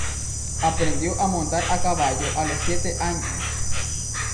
Aprendió a montar a caballo a los siete años.